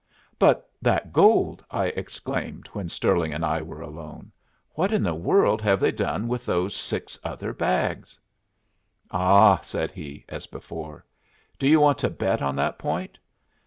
"But that gold!" I exclaimed, when Sterling and I were alone. "What in the world have they done with those six other bags?" "Ah!" said he, as before. "Do you want to bet on that point?